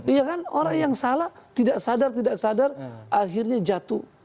iya kan orang yang salah tidak sadar tidak sadar akhirnya jatuh